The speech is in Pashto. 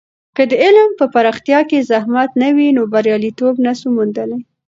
که د علم په پراختیا کې زحمت نه وي، نو بریالیتوب نسو موندلی.